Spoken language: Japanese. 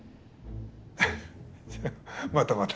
またまた。